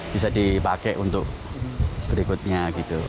bisa dipakai untuk berikutnya gitu